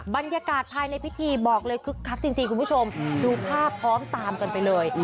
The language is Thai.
บรรยากาศภายในพิธีบอกเลยคึกคักจริงคุณผู้ชมดูภาพพร้อมตามกันไปเลย